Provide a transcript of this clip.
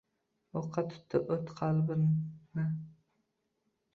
O’qqa tutdi o’t qalbni.